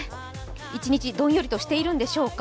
一日どんよりとしてるんでしょうか。